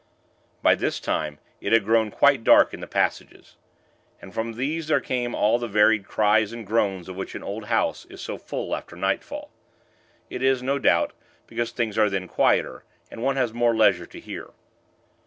By this time, it had grown quite dark in the passages, and from these came all the varied cries and groans of which an old house is so full after nightfall. It is, no doubt, because things are then quieter, and one has more leisure to hear.